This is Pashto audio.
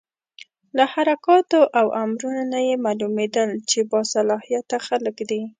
له حرکاتو او امرونو نه یې معلومېدل چې با صلاحیته خلک دي.